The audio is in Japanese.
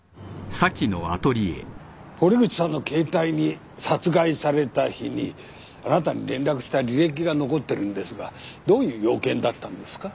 堀口さんの携帯に殺害された日にあなたに連絡した履歴が残ってるんですがどういう用件だったんですか？